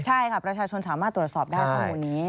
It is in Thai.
ใช่ค่ะประชาชนสามารถตรวจสอบได้ข้อมูลนี้